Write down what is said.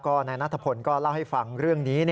นายนัทพลก็เล่าให้ฟังเรื่องนี้